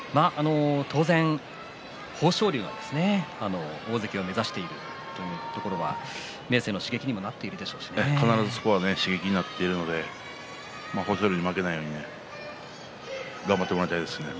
当然、豊昇龍は大関を目指しているところは明生の刺激にも必ず刺激になっているので負けないように頑張ってほしいですね。